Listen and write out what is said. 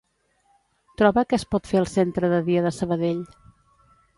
Troba què es pot fer al centre de dia de Sabadell.